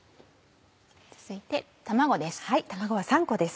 続いて卵です。